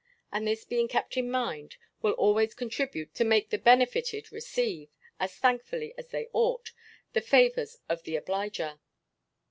And this being kept in mind, will always contribute to make the benefited receive, as thankfully as they ought, the favours of the obliger.